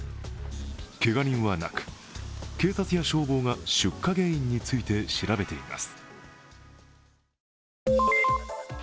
けが人はなく、警察や消防が出火原因について調べています。